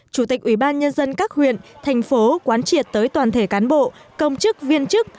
chủ tịch ủy ban nhân dân các huyện thành phố quán triệt tới toàn thể cán bộ công chức viên chức